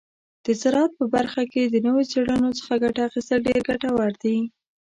د زراعت په برخه کې د نوو څیړنو څخه ګټه اخیستل ډیر ګټور دي.